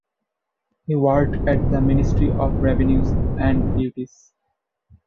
He worked at the Ministry of Revenues and Duties.